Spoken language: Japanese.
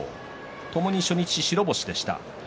ともに初日白星でした。